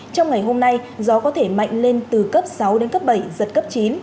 trong ngày hôm nay gió có thể mạnh lên từ cấp sáu đến cấp bảy giật cấp chín